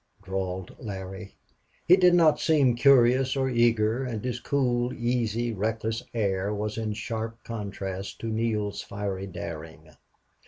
drawled Larry. He did not seem curious or eager, and his cool, easy, reckless air was in sharp contrast to Neale's fiery daring.